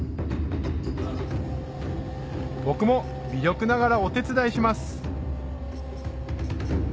僕も微力ながらお手伝いします